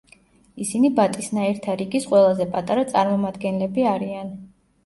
ისინი ბატისნაირთა რიგის ყველაზე პატარა წარმომადგენლები არიან.